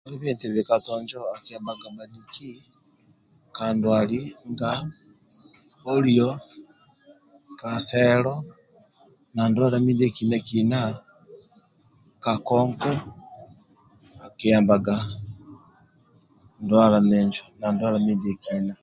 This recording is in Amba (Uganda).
Kibi eti bikato injo akiyambaga bhaniki ka ndwali bhia poliyo kaselu na ndwala ndiekina-kina kakonko akiyambaga ndwala bhinjo na ndwala ndiekina